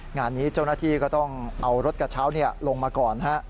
งานนี้เจ้าหน้าที่ก็ต้องเอารถกระเช้าลงมาก่อน